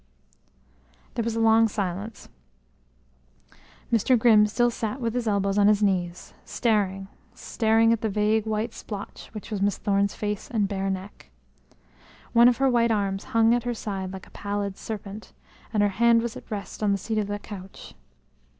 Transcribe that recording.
There was a long silence. Mr. Grimm still sat with his elbows on his knees, staring, staring at the vague white splotch which was Miss Thorne's face and bare neck. One of her white arms hung at her side like a pallid serpent, and her hand was at rest on the seat of the couch.